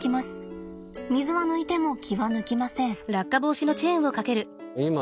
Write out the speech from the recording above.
水は抜いても気は抜きません。